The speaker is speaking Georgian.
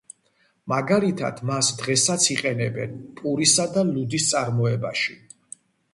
მაგალითად მას დღესაც იყენებენ პურისა და ლუდის წარმოებაში.